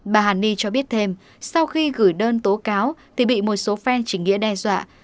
bà hàn ni cho biết thêm sau khi gửi đơn tố cáo thì bị một số phen chỉnh nghĩa đe dọa